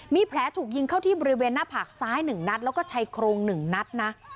มีแผลถูกยิงเข้าที่บริเวณหน้าผากซ้าย๑นัดแล้วก็ชายโครง๑นัดนะ